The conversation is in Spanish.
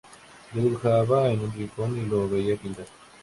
Yo dibujaba en un rincón y lo veía pintar.